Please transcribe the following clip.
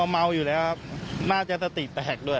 เมาอยู่แล้วครับน่าจะสติแตกด้วย